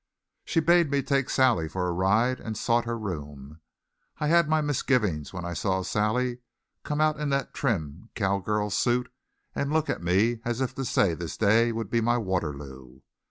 She bade me take Sally for a ride and sought her room. I had my misgivings when I saw Sally come out in that trim cowgirl suit and look at me as if to say this day would be my Waterloo.